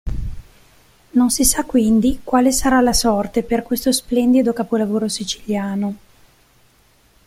Non si sa quindi quale sarà la sorte per questo splendido capolavoro siciliano.